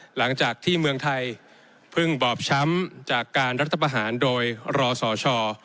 หลังจากที่เมืองไทยเพิ่งบอบช้ำจากการรัฐประหารโดยรอสช